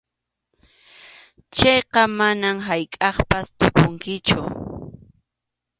Chayqa manam haykʼappas tukunkichu.